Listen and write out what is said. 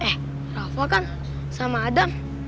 eh rafael kan sama adam